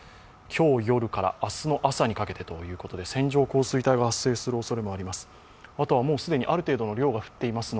今日夜から明日の朝にかけてということで線状降水帯が発生するおそれもあります。